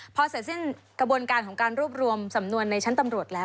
พอเสร็จสิ้นกระบวนการของการรวบรวมสำนวนในชั้นตำรวจแล้ว